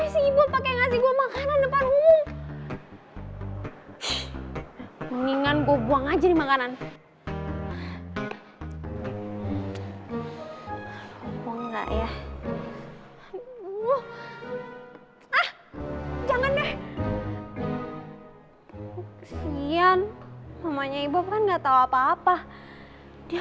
sampai jumpa di video selanjutnya